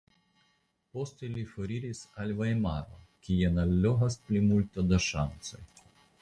Poste li foriris al Vajmaro kien allogas plimulto da ŝancoj.